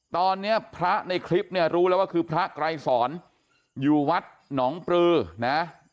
ตอนนี้พระในคลิปเนี่ยรู้แล้วว่าคือพระไกรสอนอยู่วัดหนองปลือนะ